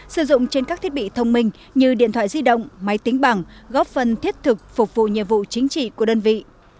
sử dụng trên các thiết bị thông minh như điện thoại di động máy tính bằng góp phần thiết thực phục vụ nhiệm vụ chính trị của đơn vị